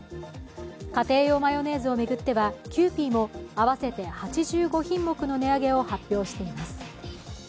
家庭用マヨネーズを巡ってはキユーピーも合わせて８５品目の値上げを発表しています。